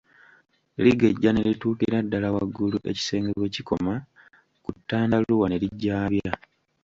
Ligejja ne lituukira ddala waggulu ekisenge gye kikoma ku tandaluwa ne ligyabya.